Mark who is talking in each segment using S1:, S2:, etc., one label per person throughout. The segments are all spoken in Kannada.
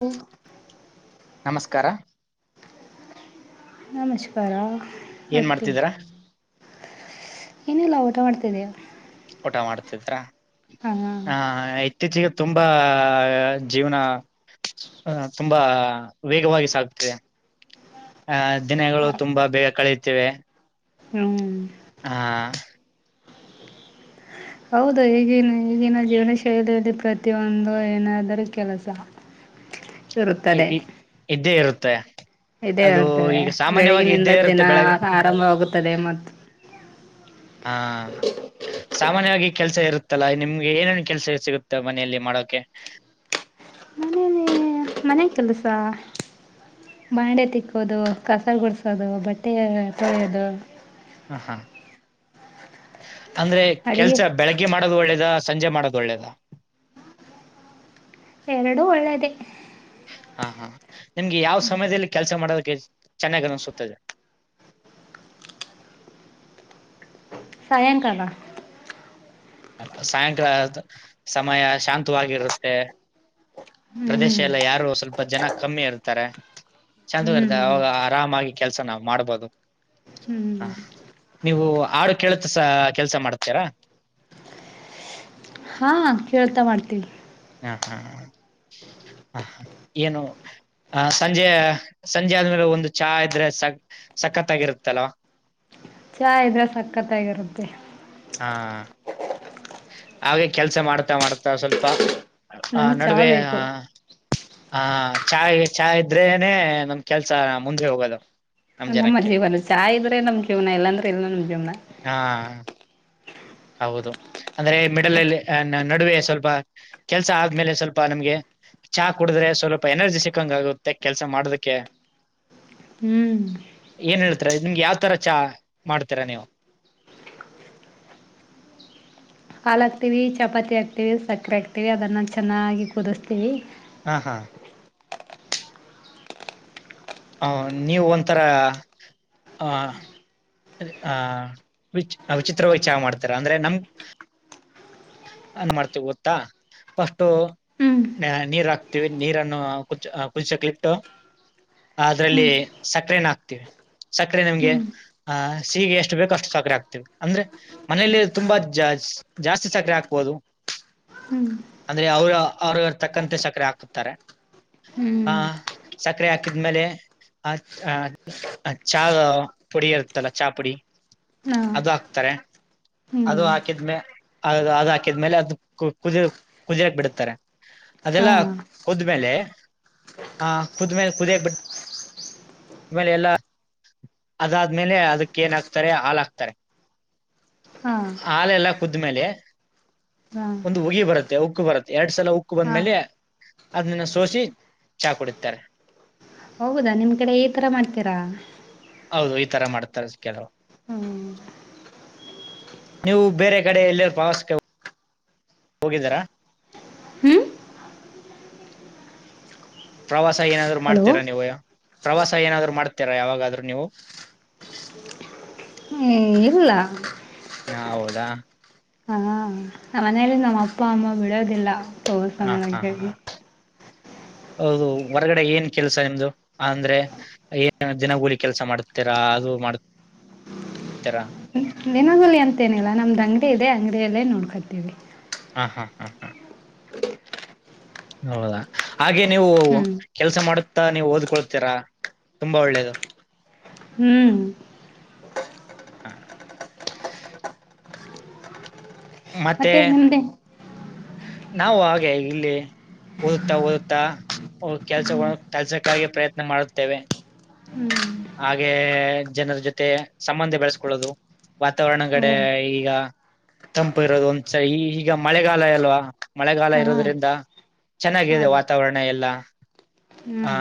S1: [unintelligible] ನಮಸ್ಕಾರ
S2: ನಮಸ್ಕಾರ
S1: ಏನ್ ಮಾಡ್ತಿದಿರ.
S2: ಏನಿಲ ಊಟ ಮಾಡ್ತ ಇದೀವಿ.
S1: ಊಟ ಮಾಡ್ತಿದ್ರಾ. ಹಾ ಇತ್ತೀಚಿಗೆ ತುಂಬಾ ಜೀವನ [unintelligible] ಅ ತುಂಬಾ ವೇಗವಾಗಿ ಸಾಗತಿದೆ [unintelligible] ಹ ದಿನಗಳು ತುಂಬಾ ಬೇಗ ಕಳಿತಿವೆ.
S2: ಹ್ಮ್
S1: ಹಾ
S2: ಹೌದು ಈಗಿನ ಈಗಿನ ಜೀವನ ಶೈಲಿಯಲ್ಲಿ ಪ್ರತಿಯೊಂದು ಏನಾದರೂ ಕೆಲಸ
S1: ಅ
S2: ಇರುತ್ತದೆ
S1: ಇ ಇದ್ದೇ ಇರ್ ತ್ತ
S2: ಇದೇ ಇರುತ್ತದೆ ಬೆಳಗಿನಿಂದ
S1: ಇರುತ್ತೆ
S2: ದಿನ
S1: ಬೆಳಗ್ಗೆ
S2: ಆರಂಭವಾಗುತ್ತದೆ ಮತ್ತು
S1: ಹಾ ಸಾಮಾನ್ಯವಾಗಿ ಕೆಲ್ಸ ಇರುತ್ತಲ್ಲ ನಿಮ್ಗೆ ಏನೇನು ಕೆಲ್ಸ ಸಿಗುತ್ತೆ ಮನೆಯಲ್ಲಿ ಮಾಡೋಕೆ.
S2: ಮನೇಲಿ ಮನೆ ಕೆಲ್ಸ [unintelligible] ಬಂಡೆ ತಿಕ್ಕೋದು ಕಸ ಗುಡಿಸೋದು ಬಟ್ಟೆ ತೊಳೆಯೋದು.
S1: ಹ ಹಾ ಅಂದ್ರೆ
S2: ಅಡುಗೆ
S1: ಕೆಲ್ಸ ಬೆಳಗ್ಗೆ ಮಾಡೋದು ಒಳ್ಳೇದ ಸಂಜೆ ಮಾಡೋದು ಒಳ್ಳೇದ.
S2: ಎರಡು ಒಳ್ಳೆದೆ.
S1: ಹಾ ಹಾ ನಿಮ್ಗೆ ಯಾವ ಸಮಯದಲ್ಲಿ ಕೆಲಸ ಮಾಡೋದ ಚೆನ್ನಾಗಿ ಅನಿಸುತ್ತದೆ [unintelligible]
S2: ಸಾಯಂಕಾಲ
S1: ಅ ಸಾಯಂಕಾಲದ ಸಮಯ ಶಾಂತವಾಗಿರುತ್ತೆ
S2: ಹ್ಞೂ
S1: ಪ್ರದೇಶ ಎಲ್ಲ ಯಾರು ಸ್ವಲ್ಪ ಜನ ಕಮ್ಮಿ ಇರ್ತಾರೆ. ಶಾಂತಗರ್ದ
S2: ಹ್ಞೂ
S1: ಅವಾಗ ಆರಾಮ ಆಗಿ ಕೆಲ್ಸ ನಾವವು ಮಾಡ್ಬೋದು. ಹ
S2: ಹ್ಞೂ
S1: ನೀವು ಆ ಹಾಡು ಕೇಳ ಸ ಕೆಲ್ಸ ಮಾಡ್ತೀರಾ?
S2: ಹಾ ಕೇಳ್ತಾ ಮಾಡ್ತೀನಿ.
S1: ಹಾ ಹಾ ಹ ಏನು? ಆ ಸಂಜೆ ಸಂಜೆ ಆದ್ಮೇಲೆ ಒಂದು ಚಹಾ ಇದ್ರೆ ಸ ಸಖತ್ಾಗಿರುತ್ತಲ್ವಾ?
S2: ಚಹಾ ಇದ್ರೆ ಸಕ್ಕತ್ತಾಗಿರುತ್ತೆ.
S1: ಹಾ ಹಾಗೆ ಕೆಲ್ಸ ಮಾಡ್ತಾ ಮಾಡ್ತಾ ಸ್ವಲ್ಪ ಹ
S2: ನಮಗ್ ಚಾ
S1: ನಡುವೆ ಹ
S2: ಬೇಕು
S1: ಹಾ ಚಾ್ ಚಹಾ ಇದ್ರೇನೆ ನಮ್ ಕೆಲ್ಸ ಮುಂದೆ ಹೋಗೋದು. ನಮ್
S2: ನಮ್ಮ
S1: ಜನಕ್ಕೆ
S2: ಜೀವನ ಚಾಯ್ ಇದ್ರೆ ನಮ್ ಜೀವನ ಇಲ್ಲಾಂದ್ರೆ ಇಲ್ಲ ನಮ ಜೀವ್ನ,
S1: ಹಾ ಹೌದು ಅಂದ್ರೆ ಮಿಡಲ್ಲ್ಲಿ, ನಡುವೆ ಸ್ವಲ್ಪ ಕೆಲ್ಸ ಆದ್ಮೇಲೆ ಸ್ವಲ್ಪ ನಮ್ಗೆ ಚಾ ಕುಡಿದ್ರೆ ಸ್ವಲ್ಪ ಎನರ್ಜಿ ಸಿಕ್ಕಂಗಗುತ್ತೆ ಕೆಲ್ಸ ಮಾಡೋದಕ್ಕೆ,
S2: ಹ್ಮ್
S1: ಏನ್ ಹೇಳ್ತರ ನಿಮ್ಗೆ ಯಾವತರ ಚಾ ಮಾಡ್ತೀರಾ? ನೀವು
S2: ಹಾಾಲ ಹಾಕ್ತಿೀವಿ ಚಪಾತಿ ಹಾಕ್ತಿೀವಿ ಸಕ್ಕರೆ ಹಾಕ್ತಿವಿ ಅದನ್ನ ಚೆನ್ನಾಗಿ ಕುದಿಸ್ತೀವಿ.
S1: ಹಾ ಹಾ ಹ ನೀವು ಒಂಥರ ಹ ಆ ವಿ ವಿಚಿತ್ರವಾಗಿ ಚಾ ಮಾಡ್ತಾರ ಅಂದ್ರೆ ನಮ್ ಅ ಮಾಡ್ತವಿ ಗೊತ್ತಾ ಫಸ್ಟು
S2: ಹ್ಮ್
S1: ನೀರ್ ಹಾಕ್ತಿವಿ ನೀರನ್ನು ಕು ಕುಂಚಕ್ಲಿಟ್ಟು ಅದ್ರಲ್ಲಿ
S2: ಹ್ಮ್
S1: ಸಕ್ಕರೆನ ಹಾಕ್ತಿವಿ ಸಕ್ಕರೆ ನಿಮ್ಗೆ
S2: ಹ್ಮ್
S1: ಆ ಸಕ್ಕರೆ ಎಷ್ಟು ಬೇಕ ಅಷ್ಟು ಸಕರೆ ಹಾಕ್ತವಿ ಅಂದ್ರೆ ಮನೇೆಯಲ್ಲಿ ತುಂಬಾ ಜಾಸ್ತಿ ಸಕ್ಕರೆ ಹಾಕ್ಬೋುದು,
S2: ಹ್ಮ್
S1: ಅಂದ್ರೆ ಅವರು ಅವ್ರವ ತಕ್ಕಂತೆ ಸಕ್ಕರೆ ಹಾಕುತ್ತಾರೆ.
S2: ಹ್ಮ್
S1: ಆಹ ಸಕ್ಕರೆ ಹಾಕಿದ್ಮೇಲೆ ಆ ಚಹ ಪುಡಿ ಇರುತ್ತಲ್ಲ ಚಹಾ ಪುಡಿ
S2: ಹಾ
S1: ಅದು ಹಾಕ್ತಾರೆ
S2: ಹ್ಮ್
S1: ಅದು ಹಾಕಿದ್ಮೇ ಅದು ಹಾಕಿದ್ಮೇಲೆ ಅದು ಕುದ ಕುದರಕ್ ಬಿಡತಾರೆ,
S2: ಹಾ
S1: ಅದೆಲ್ಲಾ ಕುದ್ಮೇಲೆ ಆ ಕುದ್ಮೇಲೆ ಕುದಿಯಕ್ ಬಿ ಕ್ಮೇಲೆ ಎಲ್ಲ ಅದಾದ್ಮೇಲೆ ಅದಕ್ಕೆ ಏನ್ ಹಾಕ್ತಾರೆ ಹಾಲ್ ಹಾಕ್ತಾರೆ
S2: ಹಾ
S1: ಹಾಾಲ ಎಲ್ಲಾ ಕುದ್ಮೇಲೆ
S2: ಹಾ
S1: ಒಂದು ಉಗಿ ಬರುತ್ತೆ ಉಕ್ಕು ಬರುತ್ತೆ ಎರಡ್ ಸಲ ಉಕ್ಕು
S2: ಹಾ
S1: ಬಂದ್ಮೇಲೆ ಅದನ್ನನ್ನ ಸೋಸಿ ಚಾ ಕುಡತಾರೆ.
S2: ಹೋಗೌದಾ ನಿಮ್ ಕಡೆ ಈ ತರ ಮಾಡ್ತೀರಾ?
S1: ಹೌದು ಈ ತರ ಮಾಡ್ತಾರೆ. ಕೆಲವು
S2: ಹ್ಮ್
S1: ನೀವು ಬೇರೆ ಕಡೆ ಎಲ್ಲರ ಪ್ರವಾಸಕ್ಕೆ ಹೋಗಿದ್ದಾರಾ? ಪ್ರವಾಸ ಏನಾದ್ರು
S2: ಹಲೋ
S1: ಮಾಡ್ತೀರಾ ನೀವಯ್ಯ?? ಪ್ರವಾಸ ಏನಾದ್ರು ಮಾಡ್ತೀರಾ ಯಾವಾಗಾದ್ರೂ ನೀವು?
S2: ಹ್ಮ್ ಇಲ್ಲ.
S1: ಹಾ ಹೌದಾ
S2: ನ ಮನೇೆಯಲ್ಲಿ ನಮ್ಮ್ ಅಪ್ಪ ಅಮ್ಮ ಬಿಡೋದಿಲ್ಲ.
S1: ಹಾ ಹಾ ಹಾ
S2: ಮಾಡಾಗಿ
S1: ಹೌದು ಹೊರಗಡೆ ಏನ್ ಕೆಲ್ಸ ನಿಮ್ದು? ಅಂದ್ರೆ ಏನ್ ದಿನಗೂಲಿ ಕೆಲ್ಸ ಮಾಡ್ತೀರಾ ಅದು ಮಾಡ್ತೀರಾ?
S2: ದಿನಗಲಿ ಅಂತೇನಿಲ್ಲ ನಮ್ದ್ ಅಂಗಡಿ ಇದೆ ಅಂಗಡಿಯಲ್ಲೇ ನೋಡ್ಕೊತೀವಿ.
S1: ಹಾ ಹಾ ಹಾ ಹಾ ಹೌದಾ ಹಾಗೆ ನೀವು
S2: ಹ್ಮ್
S1: ಕೆಲಸ ಮಾಡ ತ್ತ ನೀವು ಓದ್ಕೊಳ್ತೀರಾ ತುಂಬಾ ಒಳ್ಳೇದು.
S2: ಹ್ಮ್
S1: ಹ
S2: ಮತ್ತೆ ನಿಮ್ದ [unintelligible]
S1: ನಾವು ಹಾಗೆ ಇಲ್ಲಿ ಓದುತ್ತಾ ಓದುತ್ತಾ ಕೆಲ್ಸ
S2: ಹ್ಮ್
S1: ಕೆಲ್ಸಕ್ಕಾಗ ಪ್ರಯತ್ನ ಮಾಡುತ್ತೇವೆ
S2: ಹ್ಮ್
S1: ಹಾಗೆ ಜನರ ಜೊತೆ ಸಂಬಂಧ ಬೆಳೆಸ್ಕೊಳ್ಳೋದು ವಾತಾವರಣ ಕಡೆ
S2: ಓ
S1: ಈಗ ತಂಪು ಇರೋದು ಒಂದ್ಸ ಈ ಈಗ ಮಳೆಗಾಲ ಅಲ್ವಾ ಮಳೆಗಾಲ
S2: ಹಾ
S1: ಇರೋದ್ರಿಂದ
S2: ಹಾ
S1: ಚೆನ್ನಾಗಿದೆ ವಾತಾವರಣ ಎಲ್ಲ ಹ
S2: ಹ್ಮ್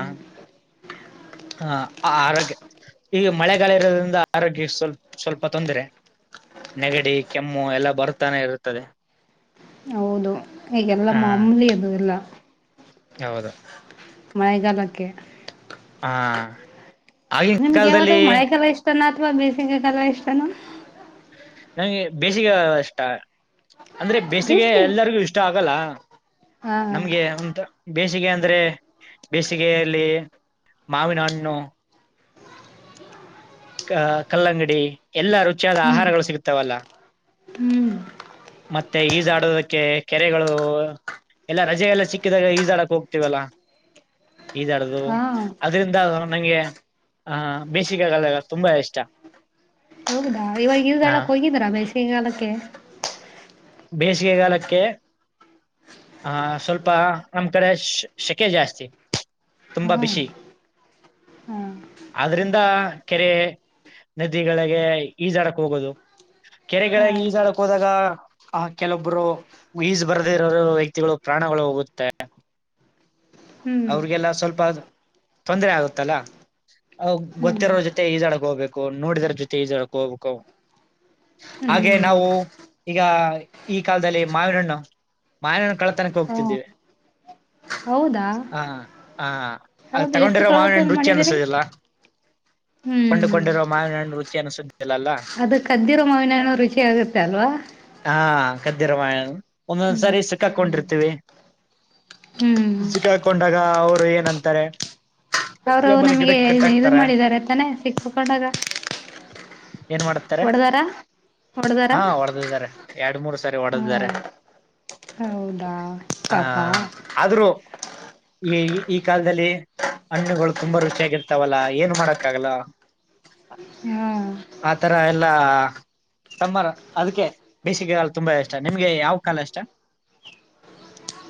S1: ಹ ಆರೋಗ್ಯ ಈಗ ಮಳೆಗಾಲ ಇರೋದ್ರಿಂದ ಆರೋಗ್ಯ ಸ್ವಲ್ ಸ್ವಲ್ಪ ತೊಂದರೆ ನೆಗಡಿ ಕೆಮ್ಮು ಎಲ್ಲ ಬರುತ್ತಾನೆ ಇರುತ್ತದೆ
S2: ಈಗೆಲ್ಲ
S1: ಹಾ
S2: ಮಾಮೂಲಿ ಅದು ಎಲ್ಲ
S1: ಹೌದು
S2: ಮಳೆಗಾಲಕ್ಕೆ
S1: ಹಾ ಆಗಿನ
S2: ನಿಮ್ಗೆ ಯಾವದು
S1: ಕಾಲದಲ್ಲಿ
S2: ಮಳೆ ಗಾಲ ಇಷ್ಟ ನಾ ಅಥವಾ ಬೇಸಿಗೆ ಗಾಲ ಇಷ್ಟನ
S1: ನಂಗೆ ಬೇಸಿಗೆ ಗಾಲ ಇಷ್ಟ ಅಂದ್ರೆ ಬೇಸಿಗೆ ಎಲ್ಲರಿಗು ಇಷ್ಟ ಆಗ್ ಹೋಗಲ್ಲ
S2: ಹಾ
S1: ನಮ್ಗೆಂತ ಬೇಸಿಗೆ ಅಂದ್ರೆ ಬೇಸಿಗೆಯಲ್ಲಿ ಮಾವಿನ ಹಣ್ಣು ಅ ಕಲ್ಲಂಗಡಿ ಎಲ್ಲಾ ರುಚಿಯಾದ
S2: ಹ್ಮ್
S1: ಆಹಾರಗಳು ಸಿಗುತ್ತಾವಲ್ಲ
S2: ಹ್ಮ್
S1: ಮತ್ತೆ ಈಜಾಡದಕ್ಕೆ ಕೆರೆಗಳು ಎಲ್ಲ ರಜೆ ಎಲ್ಲ ಸಿಕ್ಕಿದಾಗ ಈಜಾಡಕ್ ಹೋಗ್ತವಲ್ಲ ಈಜಾಡದು
S2: ಹಾ
S1: ಅದ್ರಿಂದ ನಂಗೆ ಆಹ ಬೇಸಿಗೆ ಆ ಗಾಲ ತುಂಬಾ ಇಷ್ಟ.
S2: ಇವಾಗ
S1: ಆ
S2: ಈಜಾಡಕ್ ಹೋಗಿದೀರಾ ಬೇಸಿಗೆಗಾಲಕ್ಕೆ
S1: ಬೇಸಿಗೆಗಾಲಕ್ಕೆ ಆಹ ಸ್ವಲ್ಪ ನಮ್ ಕಡೆ ಶೆಕೆ ಜಾಸ್ತಿ
S2: ಹಾ
S1: ತುಂಬಾ ಬಿಸಿ
S2: ಹಾ
S1: ಆದ್ರಿಂದ ಕೆರೆ ನದಿಗಳಿಗೆ ಈಜಾಡಕ್ ಹೋಗೋದು
S2: ಹಾ
S1: ಕೆರೆಗಳಿಗೆ ಈಜಾಡಕ್ ಹೋದಾಗ ಆ ಕೆಲೊಬ್ರು ಈಜ ಬರ್ದಿರೋರು ಕ್ತಿಗಳು ಪ್ರಾಣಗಳು ಹೋಗುತ್ತೆ [unintelligible]
S2: ಹ್ಮ್
S1: ಅವ್ರಿಗೆಲ್ಲ ಸ್ವಲ್ಪ ತೊಂದರೆ ಆಗುತ್ತಲ್ಲ ಅವಗ
S2: ಹ್ಮ್
S1: ಗೊತ್ತಿರೋರ ಜೊತೆ ಈಜಾಡಕ್ ಹೋಗ್ಬೇಕು ನೋಡಿದ್ರ ಜೊತೆ ಈಜೊಡಕ್ ಹೋಗ್ಬೇಕು ಹಾಗೆ
S2: ಹ್ಮ್
S1: ನಾವು ಈಗ ಈ ಕಾಲದಲ್ಲಿ ಮಾವಿನಹಣ್ಣು ಮಾವಿನಣ್ಣುಕಳತನಕ್ಕೆ
S2: ಓ
S1: ಹೋಗ್ತಿದ್ದೀವಿ
S2: ಹೌದಾ
S1: ಹಾ ಹಾ ಅ
S2: ಹೌದು ಎಷ್ಟು
S1: ತಗೊಂಡಿರೋ
S2: ಕಳತಲ್
S1: ಮಾಾವನಣ್ಣುರುಚಿ
S2: ಮಾಡಿದಿರಿ
S1: ಅನ್ನಿಸೋದಿಲ್ಲ
S2: ಹ್ಮ್
S1: ಕೊಂಡಕೊಂಡಿರುವ ಮಾವಿನಣ್ [unintelligible] ರುಚಿಯನುಸ್ [unintelligible]
S2: ಅದು ಕದ್ದಿರ ಮಾವಿನಣ್ಣು ರುಚಿ ಆಗುತ್ತೆ ಅಲ್ವಾ
S1: ಕದ್ದಿ ಮಾಯಣ
S2: ಹ್ಮ್
S1: ಒಂದೊಂದ್ಸರಿ ಸಿಕ್ಕಾಕೊಂಡಿರ್ತೀವಿ
S2: ಹ್ಮ್
S1: ಸಿಕ್ಕಾ [unintelligible] ಅವ್ರು ಏನಂತಾರೆ
S2: ಅವರು
S1: ನಮ್ಮನ್ನ
S2: ನಿಮ್ಗೆ
S1: ಗಿಡಕ್
S2: ಇದು
S1: ಕಟ್ಟಾಕ್ತಾರೆ
S2: ಮಾಡಿದ್ದಾರೆ ತಾನೆ ಸಿಕ್ಕಕೊಂಡಾಗ
S1: ಏನ್ ಮಾಡ್ತಾರೆ
S2: ಹೊಡದಾರ ಹೊಡದಾರ
S1: ಹಾ ಹೊಡೆದಿದ್ದಾರೆ ಎರಡ್ ಮೂರ್ ಸಾರಿ
S2: ಹ
S1: ಹೊಡೆದಿದ್ದಾರೆ
S2: ಹೌದಾ
S1: ಆ
S2: ಪಾಪಾ
S1: ಆದ್ರೂ ಈ ಈ ಕಾಲದಲ್ಲಿ ಹಣ್ಣುಗಳು ತುಂಬಾ ರುಚಿಯಾಗಿರ್ತಾವಲ್ಲ ಏನು ಮಾಡಕ್ಕಾಗಲ್ಲ
S2: ಹ್ಮ್
S1: ತರ ಎಲ್ಲಾ ಸಮ್ಮರ್ ಅದಿಕ್ಕೆ ಬೇಸಿಗೆಗಾಲ ತುಂಬಾ ಇಷ್ಟ ನಿಮ್ಗೆ ಯಾವ ಕಾಲ ಇಷ್ಟ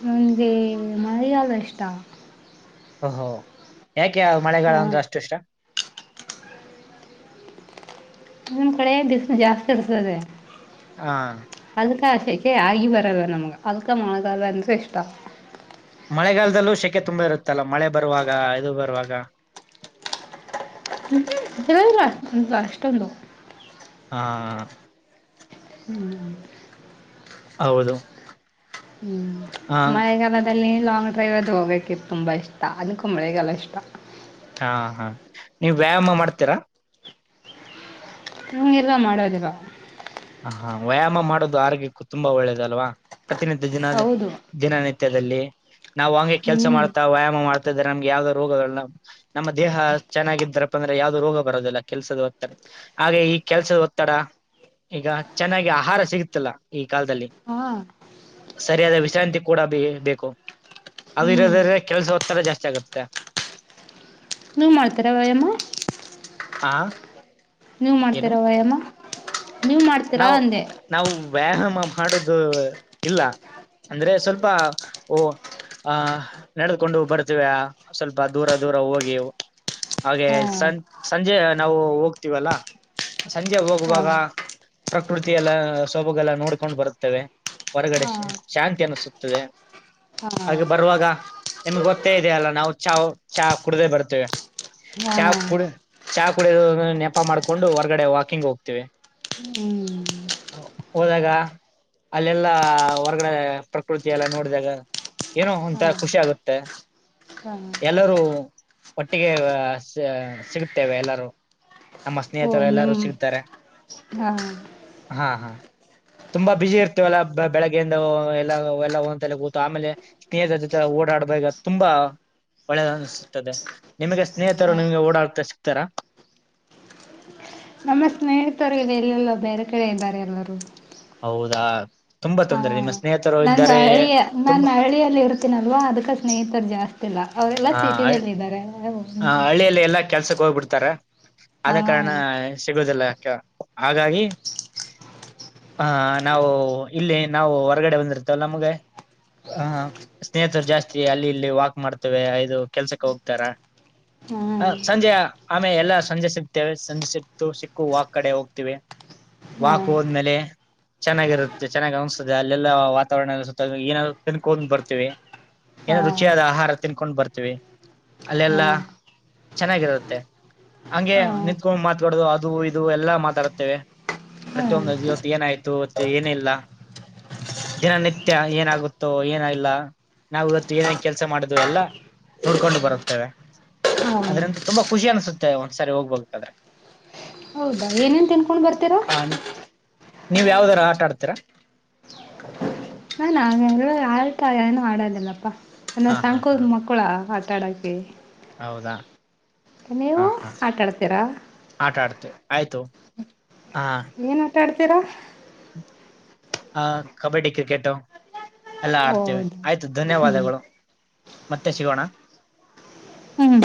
S2: ನನಗೆ ಮಳೆಗಾಲ ಇಷ್ಟಾ
S1: ಹೊ ಹೊ ಯಾಕೆ
S2: ಹಾ
S1: ಮಳೆಗಾಲಅಂದ್ರೆ ಅಷ್ಟು ಇಷ್ಟ
S2: ನಿಮ್ ಕಡೆ ಬಿಸ್ಲು ಜಾಸ್ತಿ ಇತರ್ದೆ
S1: ಹಾ
S2: ಏಕೆ ಆಗಿ ಬರಲ್ಲ ನಮ್ಗ ಅದುಕ ಮಳೆಗಾಲ ಅಂದ್ರೆ ಇಷ್ಟ.
S1: ಮಳೆಗಾಲದಲ್ಲೂ ಶೆಕೆ ತುಂಬಾ ಇರುತ್ತಲ್ಲ ಮಳೆ ಬರುವಾಗ ಇದು ಬರುವಾಗ [unintelligible]
S2: ಇರಲ ಅಷ್ಟ್ ಅಷ್ಟೊಂದು.
S1: ಹಾ ಹೌದು ಹಾ
S2: ಮಳೆಗಾಲದಲ್ಲಿ ಲಾಂಗ್ ಡ್ರೈವ್ ಅದು ಹೋಗೋಕ್ಕೆ ತುಂಬ ಇಷ್ಟ ಅದಕ್ಕೆ ಮಳೆಗಾಲ ಇಷ್ಟ.
S1: ಹಾ ಹಾ ನೀವ್ ವ್ಯಾಯಾಮ ಮಾಡ್ತೀರಾ.
S2: ಹ್ಮ್ ಇಲ್ಲ ಮಾಡೋದಿಲ್ಲ.
S1: ಹ ಹಾ ವ್ಯಾಯಾಮ ಮಾಡೋದು ಆರೋಗ್ಯಕ್ಕೂ ತುಂಬಾ ಒಳ್ಳೇದಲ್ವಾ. ಪ್ರತಿನಿತ್ಯ ದಿನ
S2: ಹೌದು
S1: ದಿನನಿತ್ಯದಲ್ಲಿ ನಾವ್ ಹಂಗೆ ಕೆಲ್ಸ
S2: ಹ್ಮ್
S1: ಮಾಡ್ತಾ ವ್ಯಾಯಾಮ ಮಾಡ್ತಾ ನಮ್ಗೆ ಯಾವ್ದೋ ರೋಗಗಳನ್ನ ನಮ್ಮ ದೇಹ ಚೆನ್ನಾಗಿದ್ದಾರಪ್ಪ ಅಂದ್ರೆ ಯಾವ್ದು ರೋಗ ಬರೋದಿಲ್ಲ ಕೆಲ್ಸದ ಒತ್ತಡ ಹಾಗೆ ಈ ಕೆಲ್ಸದ ಒತ್ತಡ ಈಗ ಚೆನ್ನಾಗಿ ಆಹಾರ ಸಿಗುತ್ತಿಲ್ಲ ಈ ಕಾಲದಲ್ಲಿ
S2: ಹಾ
S1: [unintelligible] ಸರಿಯಾದ ವಿಶ್ರಾಂತಿ ಕೂಡ ಬ ಬೇಕು
S2: ಹ್ಮ್
S1: ಅದುಿರೋದ್ರ ಕೆಲಸ ಒತ್ತಡ ಜಾಸ್ತಿ ಆಗುತ್ತೆ.
S2: ನೀವ್ ಮಾಡ್ತೀರಾ ವ್ಯಾಯಾಮ.
S1: ಹಾ
S2: ನೀವ್ ಮಾಡ್ತೀರ ವ್ಯಾಯಾಮ. ನೀವು ಮಾಡ್ತೀರಾ
S1: ನಾವು
S2: ಅಂದೆ.
S1: ನಾವು ವ್ಯಾಯಾಮ ಮಾಡುದು ಇಲ್ಲ ಅಂದ್ರೆ ಸ್ವಲ್ಪ ಓ ಹ ನಡೆದುಕೊಂಡು ಬರ್ತೀವ ಸ್ವಲ್ಪ ದೂರ ದೂರ ಹೋಗಿ ಹಾಗೆ
S2: ಹಾ
S1: ಸಂ ಸಂಜೆ ನಾವು ಹೋಗ್ತೀವಲ್ಲ ಸಂಜೆ
S2: ಹಾ
S1: ಹೋಗುವಾಗ ಪ್ರಕೃತಿಯ ಎಲ್ಲ ಸೊಬಗೆಲ್ಲ ನೋಡ್ಕೊಂಡು ಬರುತ್ತೇವೆ ಹೊರಗಡೆ
S2: ಹಾ
S1: ಶಾಂತಿ ಅನ್ನಿಸುತ್ತದೆ
S2: ಹಾ
S1: ಹಾಗೆ ಬರುವಾಗ ನಿಮ್ಗೆ ಗೊತ್ತೇ ಇದೆ ಅಲ್ಲ ನಾವು ಚಹ ಚಹ ಕುಡ್ದೇ ಬರ್ತೇವೆ
S2: ಹಾ
S1: ಚಹ ಕು ಚಹ ಕುಡ ನೆಪ ಮಾಡಕೊಂಡು ಹೊರ್ಗಡೆ ವಾಕಿಂಗ್ ಹೋಗ್ತೇವಿ.
S2: ಹ್ಮ್
S1: [unintelligible] ಹೋದಾಗ ಅಲ್ಲೆಲ್ಲ ಹೊರ್ಗಡೆ ಪ್ರಕೃತಿ ಎಲ್ಲ ನೋಡಿದಾಗ ಏನೋ
S2: ಹಾ
S1: ಒಂತರ ಖುಷಿ ಆಗುತ್ತೆ
S2: ಹಾ
S1: ಎಲ್ಲರೂ ಒಟ್ಟಿಗೆ ಸಿಗುತ್ತೇವೆ ಎಲ್ಲಾರೂ ನಮ್ಮ
S2: ಓ
S1: ಸ್ನೇಹಿತರು ಎಲ್ಲರೂ
S2: ನಿಮ್
S1: ಸಿಗ್ತಾರೆ.
S2: ಹಾ
S1: ಹಾ ಹಾ ತುಂಬಾ ಬ್ಯುಸಿ ಇರ್ತೇವಲ್ಲ ಬೆಳಗ್ಗೆಯಿಂದ ಎಲ್ಲ ಎಲ್ಲ ಒಲೆ ಕೂತು ಆಮೇಲೆ ಸ್ನೇಹಿತರ ಜೊತೆ ಓಡಾದ್ದಾಗ ತುಂಬಾ ಒಳ್ಳೆ ಅನಸತದೆ ನಿಮಗೆ ಸ್ನೇಹಿತರು
S2: ಹಾ
S1: ನಿಮ್ಗೆ ಓಡಾಡ್ತಾ ಸಿಗ್ತಾರ [unintelligible]
S2: ಸಿಗ್ತರೆ ಇಲ್ಲಿಲ್ಲ ಬೇರೆ ಕಡೆ ಇದ್ದಾರೆ ಎಲ್ಲರೂ.
S1: ಹೌದಾ ತುಂಬಾ
S2: ಹ
S1: ತೊಂದ್ರೆ ನಿಮ್
S2: ನಂದು ಹಳ್ಳಿಯ ನಾನ ಹಳ್ಳಿಯಲ್ಲಿ ಇರ್ತೀನಲ್ವಾ ಅದಕ ಸ್ನೇಹಿತರು ಜಾಸ್ತಿ. ಗ ಅವರೆಲ್ಲ ಸಿಟಿನಲ್ಲಿ ಇದರೆ.
S1: ಹಾ ಹಳ್ಳಿಯಲ್ಲೆಲ್ಲ ಕೆಲ್ ಸಕ್ ಹೋಗ್ಬಿಡ್ತರೆ
S2: ಹಾ
S1: ಅದೇ ಕಾರಣ ಸಿಗುದಿಲ್ಲ. ಹಾಗಾಗಿ ಹ ನಾವು ಇಲ್ಲಿ ನಾವು ಹೊರಗಡೆ ಬಂದಿರ್ತವಲಾ ನಮ್ಗೆ ಹ ಸ್ನೇಹಿತರು ಜಾಸ್ತಿ ಅಲ್ಲಿ ಇಲ್ಲಿ ವಾಕ್ ಮಾಡ್ತೇವೆ ಇದು ಕೆಲ್ಸಕ್ಕೆ ಹೋಗ್ತಾರ. ಆ
S2: ಹ್ಮ್
S1: ಸಂಜೆ ಆಮೇಲ್ ಎಲ್ಲಾ ಸಂಜೆ ಸಿಗ್ತೇವೆ ಸಂಜೆ ಸಿಗ್ತು ಸಿಕ್ಕು ವಾಕ್ ಕಡೆ ಹೋಗ್ತೀವಿ
S2: ಹಾ ಹಾ
S1: ವಾಕ್ ಹೋದ್ಮೇಲೆ ಚೆನ್ನಾಗಿರುತ್ತೆ ಚೆನ್ನಾಗ ಅನಿಸ್ತದೆ ಅಲ್ಲೆಲ್ಲ ವಾತಾವರಣಲ್ಲ ಸುತ್ತ ಏನಾದ ತಿನ್ಕೊಂಡ್ ಬರ್ತೀವಿ ಏನ
S2: ಹಾ
S1: ರುಚಿಯಾದ ಆಹಾರ ತಿನ್ಕೊಂಡ್ ಬರ್ತೀವಿ
S2: ಹಾ
S1: ಅಲ್ಲೆಲ್ಲಾ ಚೆನ್ನಾಗಿರುತ್ತೆ ಹಂಗೆ ನಿತ್ಕೊಂಡು ಮಾತಕಡೋದು ಅದು ಇದು ಎಲ್ಲಾ ಮಾತಾಡುತ್ತೇವೆ
S2: ಹಾ
S1: ಪ್ರತಿಯೊಂದು ಇವತ್ತು ಏನಾಯ್ತು ಇತ್ತು ಏನ ಇಲ್ಲ ದಿನನಿತ್ಯ ಏನಾಗುತ್ತೋ ಏನ ಇಲ್ಲ ನಾವ್ ಇವತ್ ಏನೇನ್ ಕೆಲ್ಸ ಮಾಡುದು ಎಲ್ಲಾ ನೋಡ್ಕೊಂಡು ಬರುತ್ತೇವೆ.
S2: ಹಾ
S1: ಅದ್ರಿಂದ ತುಂಬಾ ಖುಷಿ ಅನ್ಸುತ್ತೆ ಒಂದ್ಸರಿ ಹೋಗ್ಬೇಕದ್ರೆ.
S2: ಹೌದಾ ಏನೇನ್ ತಿನ್ಕೊಂಡ್ ಬರ್ತೀರಾ.
S1: ಆ, ನೀವ್ ಯಾವ್ದರ ಆಟಾಡ್ತೀರ.
S2: ಹಾ ನಾವ್ ಒಂದು ಆಟ ಏನು ಆಡೋದಿಲ್ಲಪ. ನಾನ್
S1: ಹಾ ಹಾ
S2: ಸಣ್ ಕೋ
S1: ಹಾ
S2: ಮಕ್ಳ ಆಟಡೋಕೆ
S1: ಹೌದಾ ಹಾ
S2: ನೀವು
S1: ಹಾ
S2: ಆಟಾ ಆಡ್ತೀರಾ
S1: ಆಟ ಆಡ್ತೀವಿ ಆಯ್ತು ಹಾ
S2: ಏನ್ ಆಟ ತಿ ತೀರ
S1: ಆ ಕಬಡ್ಡಿ ಕ್ರಿಕೆಟು ಎಲ್ಲ ಆಡ್ತೇವೆ
S2: ಹೌದು
S1: ಆಯ್ತು
S2: ಹ್ಮ್
S1: ಧನ್ಯವಾದಗಳು ಮತ್ತೆ ಸಿಗೋಣ
S2: ಹ್ಮ್